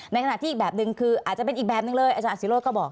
ในขณะที่อีกแบบหนึ่งคืออาจจะเป็นอีกแบบนึงเลยอาจารย์ศิโรธก็บอก